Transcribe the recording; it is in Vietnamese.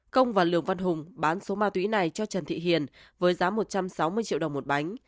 công và lường văn hùng bán số ma túy này cho trần thị hiền với giá một trăm sáu mươi triệu đồng một bánh